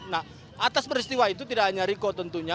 nah atas peristiwa itu tidak hanya riko tentunya